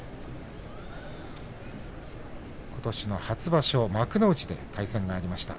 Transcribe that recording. ことしの初場所、幕内で対戦がありました。